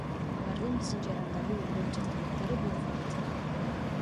Алардын биздин жарандарды үндөп жаткандыктары да – бул факт.